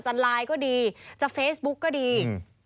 ไลน์ก็ดีจะเฟซบุ๊กก็ดี